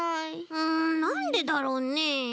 うんなんでだろうね。